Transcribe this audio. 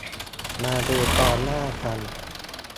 มาดูกองหน้ากัน